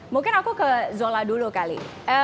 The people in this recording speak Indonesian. mungkin aku ke zola dulu kali